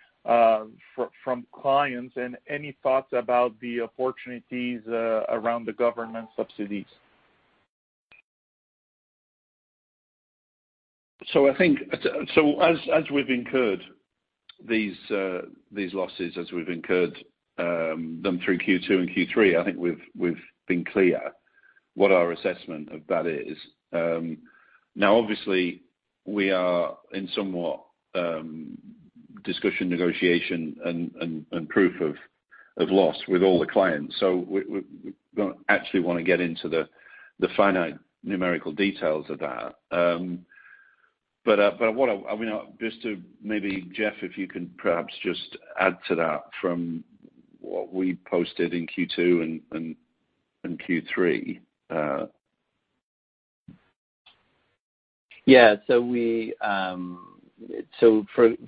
from clients, and any thoughts about the opportunities around the government subsidies? As we've incurred these losses, as we've incurred them through Q2 and Q3, I think we've been clear what our assessment of that is. Obviously, we are in somewhat discussion, negotiation, and proof of loss with all the clients. We don't actually want to get into the finite numerical details of that. Just to maybe, Jeff, if you can perhaps just add to that from what we posted in Q2 and Q3.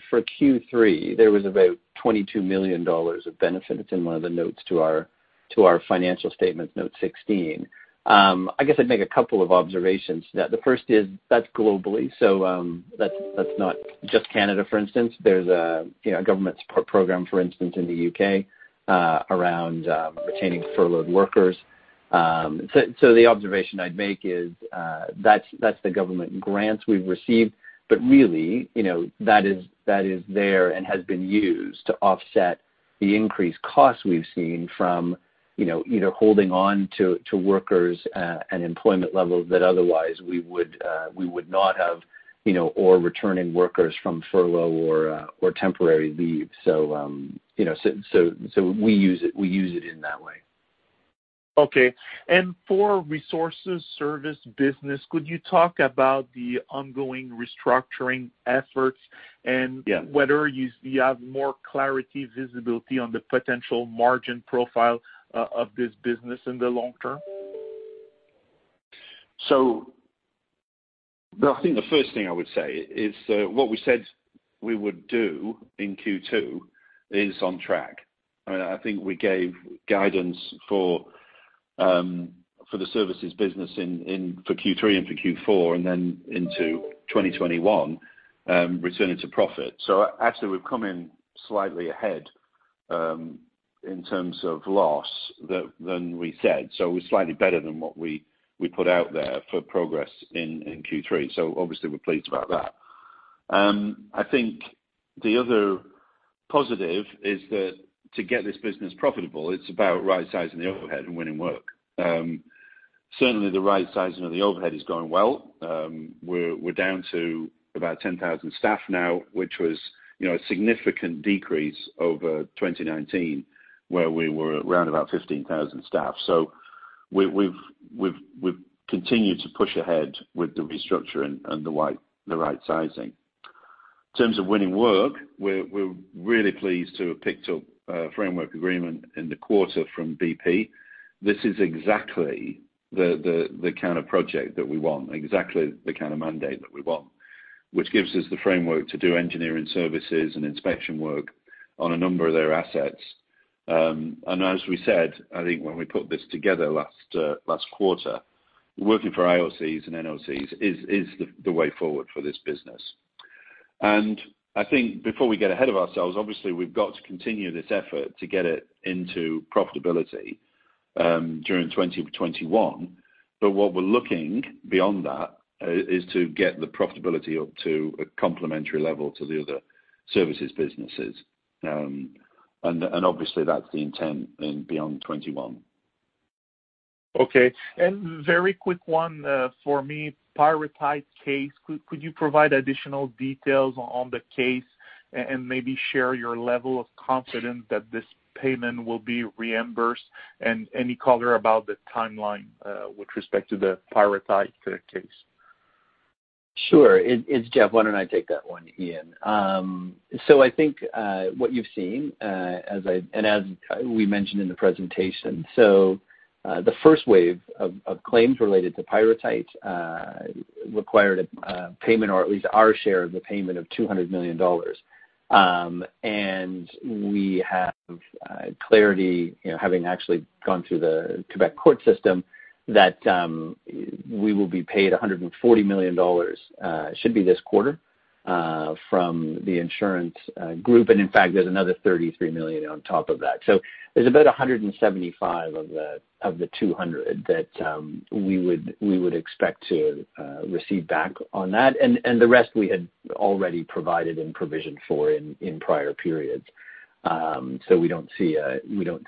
For Q3, there was about 22 million dollars of benefit. It's in one of the notes to our financial statement, note 16. I guess I'd make a couple of observations. The first is that's globally, so that's not just Canada, for instance. There's a government support program, for instance, in the U.K., around retaining furloughed workers. The observation I'd make is that's the government grants we've received, but really, that is there and has been used to offset the increased costs we've seen from either holding on to workers at an employment level that otherwise we would not have or returning workers from furlough or temporary leave. We use it in that way. Okay. For resources service business, could you talk about the ongoing restructuring efforts and- Yeah whether you have more clarity, visibility on the potential margin profile of this business in the long term? I think the first thing I would say is what we said we would do in Q2 is on track. I think we gave guidance for the services business for Q3 and for Q4, and then into 2021, returning to profit. Actually, we've come in slightly ahead in terms of loss than we said. We're slightly better than what we put out there for progress in Q3. Obviously, we're pleased about that. I think the other positive is that to get this business profitable, it's about right-sizing the overhead and winning work. Certainly, the right-sizing of the overhead is going well. We're down to about 10,000 staff now, which was a significant decrease over 2019, where we were around about 15,000 staff. We've continued to push ahead with the restructuring and the right-sizing. In terms of winning work, we're really pleased to have picked up a framework agreement in the quarter from BP. This is exactly the kind of project that we want, exactly the kind of mandate that we want, which gives us the framework to do engineering services and inspection work on a number of their assets. As we said, I think when we put this together last quarter, working for IOCs and NOCs is the way forward for this business. I think before we get ahead of ourselves, obviously we've got to continue this effort to get it into profitability during 2021. What we're looking beyond that is to get the profitability up to a complementary level to the other services businesses. Obviously, that's the intent in beyond 2021. Okay. Very quick one for me, Pyrrhotite case, could you provide additional details on the case and maybe share your level of confidence that this payment will be reimbursed? Any color about the timeline with respect to the Pyrrhotite case? Sure. It's Jeff. Why don't I take that one, Ian? I think what you've seen and as we mentioned in the presentation, so the first wave of claims related to Pyrrhotite required a payment or at least our share of the payment of 200 million dollars. We have clarity, having actually gone through the Quebec court system, that we will be paid 140 million dollars, should be this quarter, from the insurance group. In fact, there's another 33 million on top of that. There's about 175 of the 200 that we would expect to receive back on that. The rest we had already provided and provisioned for in prior periods. We don't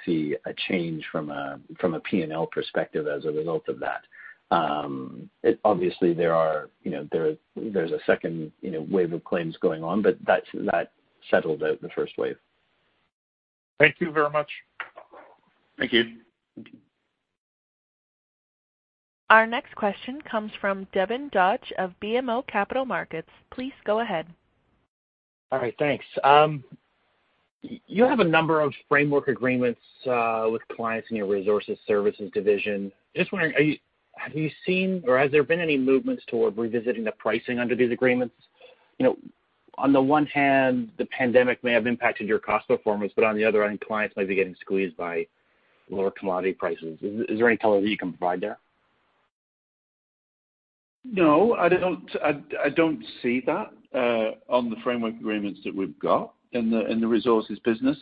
see a change from a P&L perspective as a result of that. Obviously, there's a second wave of claims going on, but that settled out the first wave. Thank you very much. Thank you. Our next question comes from Devin Dodge of BMO Capital Markets. Please go ahead. All right. Thanks. You have a number of framework agreements with clients in your resources services division. Just wondering, have you seen or has there been any movements toward revisiting the pricing under these agreements? On the one hand, the pandemic may have impacted your cost performance, but on the other, I think clients might be getting squeezed by lower commodity prices. Is there any color that you can provide there? No, I don't see that on the framework agreements that we've got in the resources business.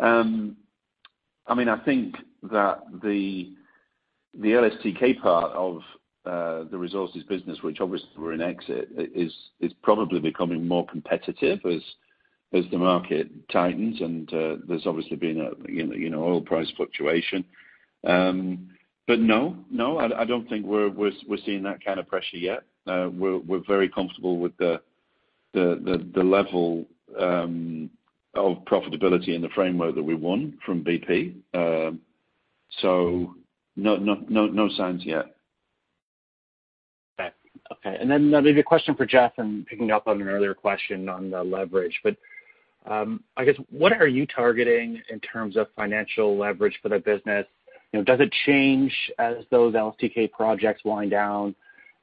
I think that the LSTK part of the resources business, which obviously we're in exit, is probably becoming more competitive as the market tightens. There's obviously been oil price fluctuation. No, I don't think we're seeing that kind of pressure yet. We're very comfortable with the level of profitability in the framework that we won from BP. No signs yet. Okay. Then maybe a question for Jeff and picking up on an earlier question on the leverage. I guess what are you targeting in terms of financial leverage for the business? Does it change as those LSTK projects wind down?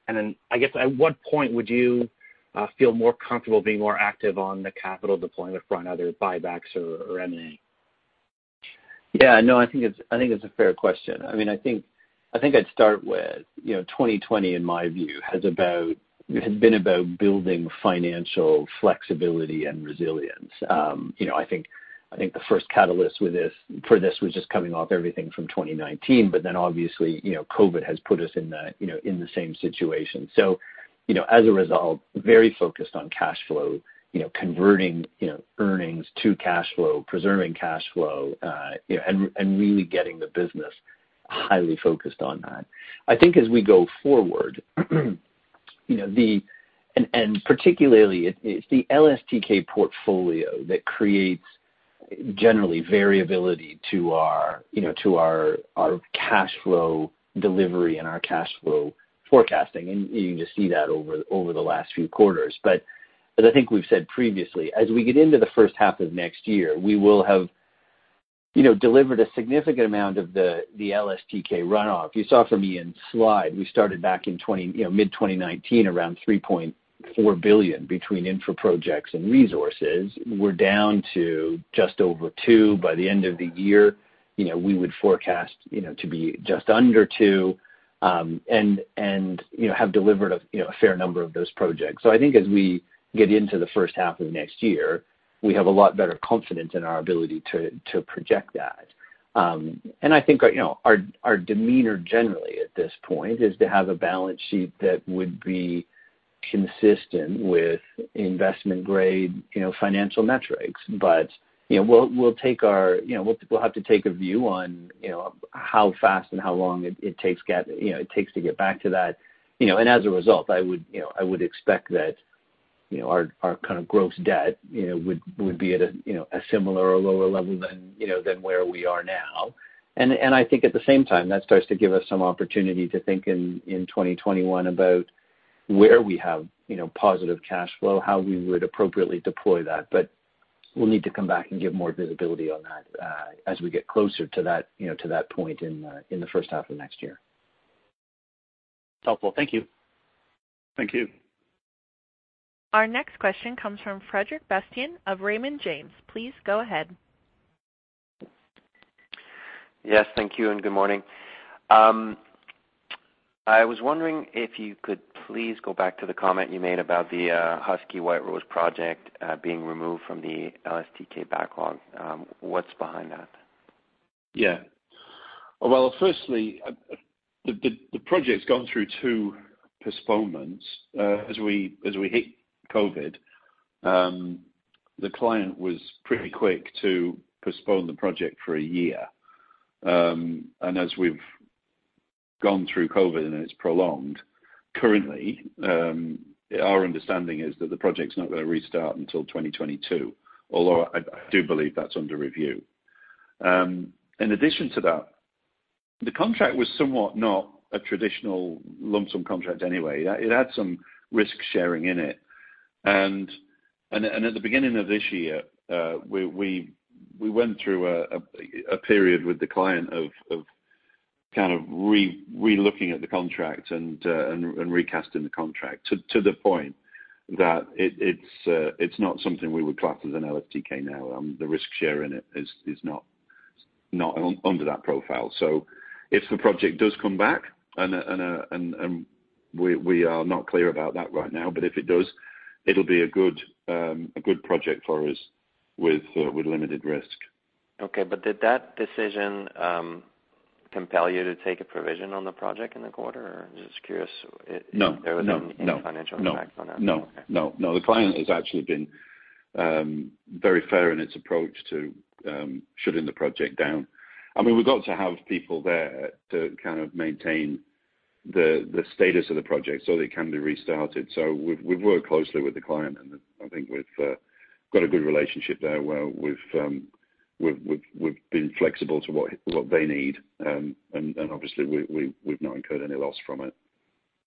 Then, I guess, at what point would you feel more comfortable being more active on the capital deployment front, either buybacks or M&A? I think it's a fair question. I think I'd start with 2020, in my view, has been about building financial flexibility and resilience. I think the first catalyst for this was just coming off everything from 2019, obviously, COVID has put us in the same situation. As a result, very focused on cash flow, converting earnings to cash flow, preserving cash flow, and really getting the business highly focused on that. I think as we go forward and particularly it's the LSTK portfolio that creates generally variability to our cash flow delivery and our cash flow forecasting. You can just see that over the last few quarters. As I think we've said previously, as we get into the first half of next year, we will have delivered a significant amount of the LSTK runoff. You saw from Ian's slide, we started back in mid-2019, around 3.4 billion between infra projects and resources. We're down to just over CAD two by the end of the year. We would forecast to be just under CAD two and have delivered a fair number of those projects. I think as we get into the first half of next year, we have a lot better confidence in our ability to project that. I think our demeanor generally at this point is to have a balance sheet that would be consistent with investment-grade financial metrics. We'll have to take a view on how fast and how long it takes to get back to that. As a result, I would expect that our kind of gross debt would be at a similar or lower level than where we are now. I think at the same time, that starts to give us some opportunity to think in 2021 about where we have positive cash flow, how we would appropriately deploy that. We'll need to come back and give more visibility on that as we get closer to that point in the first half of next year. It's helpful. Thank you. Thank you. Our next question comes from Frederic Bastien of Raymond James. Please go ahead. Yes, thank you. Good morning. I was wondering if you could please go back to the comment you made about the Husky White Rose project being removed from the LSTK backlog. What's behind that? Yeah. Well, firstly, the project's gone through two postponements as we hit COVID. The client was pretty quick to postpone the project for a year. As we've gone through COVID, and it's prolonged, currently, our understanding is that the project's not going to restart until 2022, although I do believe that's under review. In addition to that, the contract was somewhat not a traditional lump sum contract anyway. It had some risk-sharing in it. At the beginning of this year, we went through a period with the client of re-looking at the contract and recasting the contract to the point that it's not something we would class as an LSTK now. The risk share in it is not under that profile. If the project does come back, and we are not clear about that right now, but if it does, it'll be a good project for us with limited risk. Okay, did that decision compel you to take a provision on the project in the quarter? I'm just curious. No. if there was any financial impact on it. No. The client has actually been very fair in its approach to shutting the project down. We've got to have people there to maintain the status of the project so that it can be restarted. We've worked closely with the client, and I think we've got a good relationship there where we've been flexible to what they need. Obviously, we've not incurred any loss from it.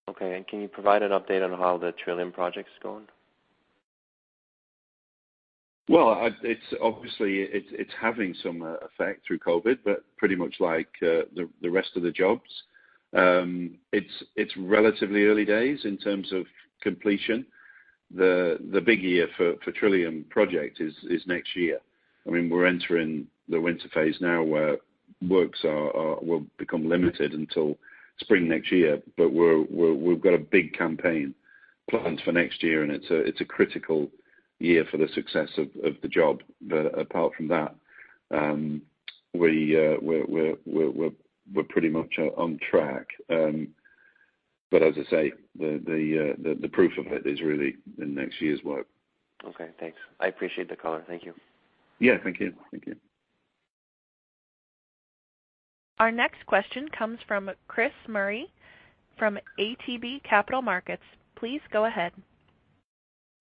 Okay. Can you provide an update on how the Trillium project's going? Obviously, it's having some effect through COVID, pretty much like the rest of the jobs. It's relatively early days in terms of completion. The big year for Trillium project is next year. We're entering the winter phase now where works will become limited until spring next year. We've got a big campaign planned for next year, and it's a critical year for the success of the job. Apart from that, we're pretty much on track. As I say, the proof of it is really in next year's work. Okay, thanks. I appreciate the call. Thank you. Yeah, thank you. Our next question comes from Chris Murray from ATB Capital Markets. Please go ahead.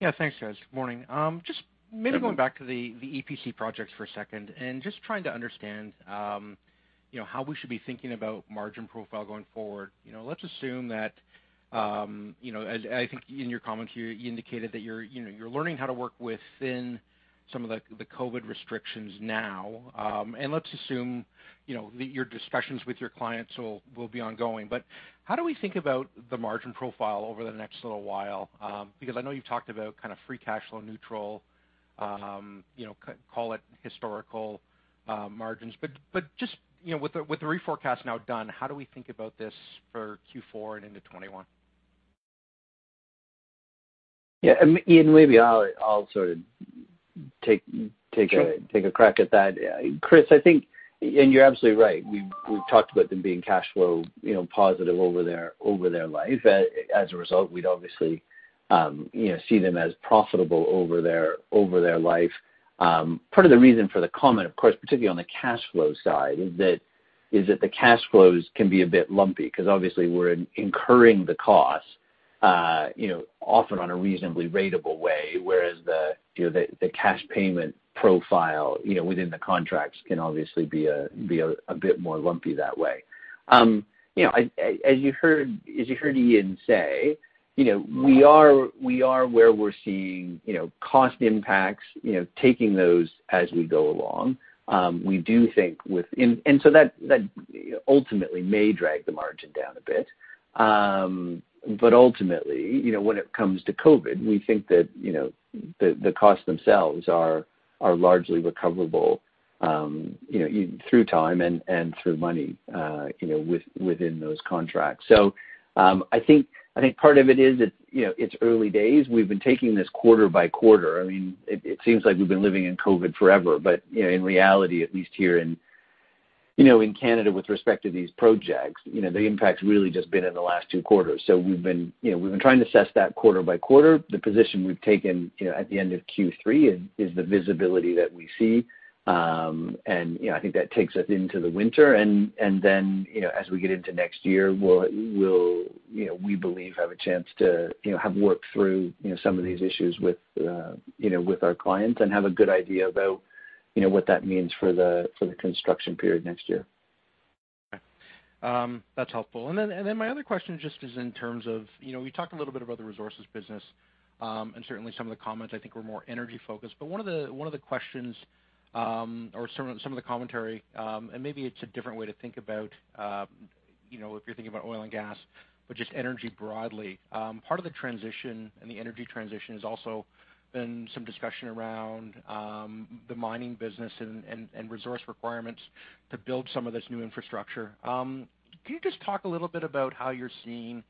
Yeah, thanks, guys. Morning. Just maybe going back to the EPC projects for a second and just trying to understand how we should be thinking about margin profile going forward. Let's assume that, as I think in your comments here, you indicated that you're learning how to work within some of the COVID restrictions now. Let's assume that your discussions with your clients will be ongoing. How do we think about the margin profile over the next little while? I know you've talked about free cash flow neutral, call it historical margins. Just with the reforecast now done, how do we think about this for Q4 and into 2021? Ian, maybe I'll sort of take a crack at that. Chris, I think, you're absolutely right. We've talked about them being cash flow positive over their life. As a result, we'd obviously see them as profitable over their life. Part of the reason for the comment, of course, particularly on the cash flow side, is that the cash flows can be a bit lumpy because obviously we're incurring the cost often on a reasonably ratable way, whereas the cash payment profile within the contracts can obviously be a bit more lumpy that way. As you heard Ian say, we are where we're seeing cost impacts, taking those as we go along. That ultimately may drag the margin down a bit. Ultimately, when it comes to COVID, we think that the cost themselves are largely recoverable through time and through money within those contracts. I think part of it is it's early days. We've been taking this quarter by quarter. It seems like we've been living in COVID forever, but in reality, at least here in Canada with respect to these projects, the impact's really just been in the last two quarters. We've been trying to assess that quarter by quarter. The position we've taken at the end of Q3 is the visibility that we see. I think that takes us into the winter. Then as we get into next year, we believe have a chance to have worked through some of these issues with our clients and have a good idea about what that means for the construction period next year. Okay. That is helpful. My other question just is in terms of, you talked a little bit about the resources business, and certainly some of the comments I think were more energy focused. One of the questions, or some of the commentary, and maybe it is a different way to think about if you are thinking about oil and gas, but just energy broadly. Part of the transition and the energy transition has also been some discussion around the mining business and resource requirements to build some of this new infrastructure. Can you just talk a little bit about how you are seeing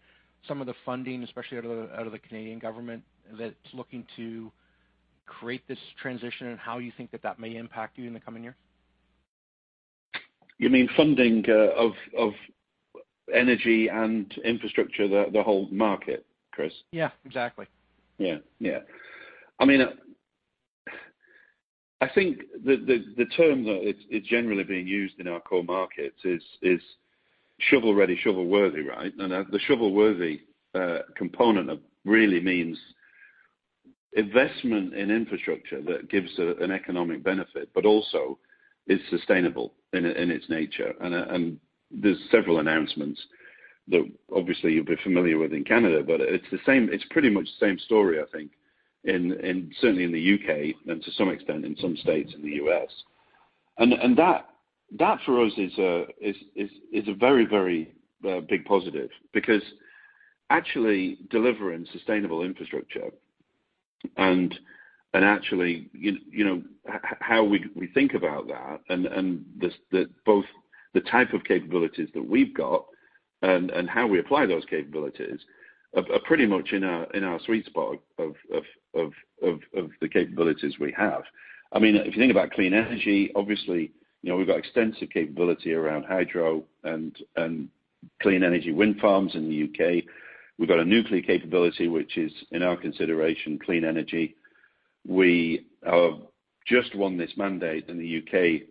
some of the funding, especially out of the Canadian government, that is looking to create this transition and how you think that may impact you in the coming year? You mean funding of energy and infrastructure, the whole market, Chris? Yeah, exactly. Yeah. I think the term that is generally being used in our core markets is shovel-ready, shovel-worthy, right? The shovel-worthy component really means investment in infrastructure that gives an economic benefit, but also is sustainable in its nature. There's several announcements that obviously you'll be familiar with in Canada, but it's pretty much the same story, I think, certainly in the U.K. and to some extent in some states in the U.S. That for us is a very big positive because actually delivering sustainable infrastructure and actually how we think about that and both the type of capabilities that we've got and how we apply those capabilities are pretty much in our sweet spot of the capabilities we have. If you think about clean energy, obviously, we've got extensive capability around hydro and clean energy wind farms in the U.K. We've got a nuclear capability, which is, in our consideration, clean energy. We have just won this mandate in the U.K.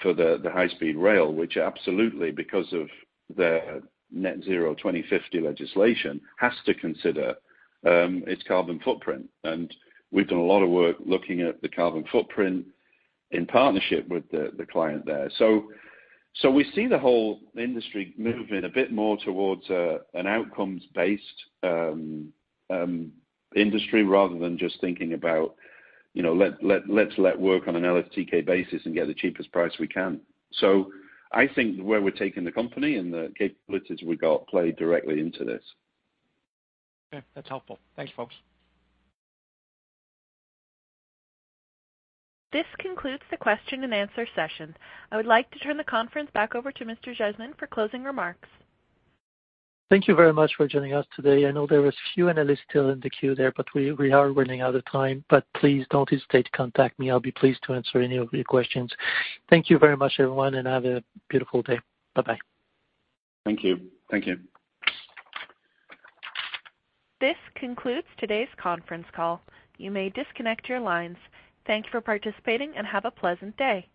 for High Speed 2, which absolutely, because of the net zero 2050 legislation, has to consider its carbon footprint. We've done a lot of work looking at the carbon footprint in partnership with the client there. We see the whole industry moving a bit more towards an outcomes-based industry rather than just thinking about let's let work on an LSTK basis and get the cheapest price we can. I think where we're taking the company and the capabilities we've got play directly into this. Okay, that's helpful. Thanks, folks. This concludes the question and answer session. I would like to turn the conference back over to Mr. Jasmin for closing remarks. Thank you very much for joining us today. I know there was a few analysts still in the queue there, but we are running out of time. Please don't hesitate to contact me. I'll be pleased to answer any of your questions. Thank you very much, everyone, and have a beautiful day. Bye-bye. Thank you. This concludes today's conference call. You may disconnect your lines. Thank you for participating and have a pleasant day.